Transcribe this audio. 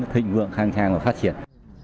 thịnh vượng khang trang và phát triển